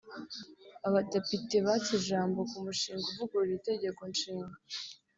Abadepite batse ijambo ku mushinga uvugurura itegeko nshinga